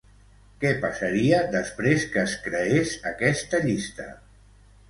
Què passaria després que es creés aquesta llista?